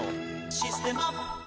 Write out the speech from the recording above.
「システマ」